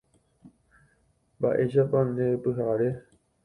Mba'éichapa ndepyhare.